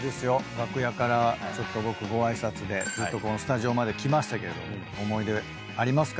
楽屋からちょっと僕ご挨拶でずっとこのスタジオまで来ましたけれども思い出ありますか？